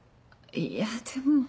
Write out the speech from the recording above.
いやでも。